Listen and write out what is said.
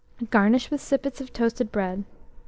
Garnish with sippets of toasted bread.